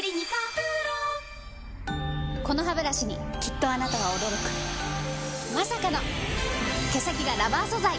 このハブラシにきっとあなたは驚くまさかの毛先がラバー素材！